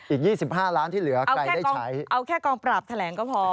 อีก๒๕ล้านที่เหลือใครได้ใช้เอาแค่กองปราบแถลงก็พอ